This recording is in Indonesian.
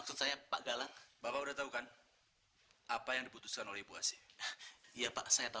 maaf maksud saya pak galang bapak udah tau kan apa yang diputuskan oleh memuasai iya pak saya